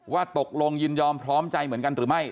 ว่าตกลงยินยอมพร้อมใจเหมือนกันหรือไม่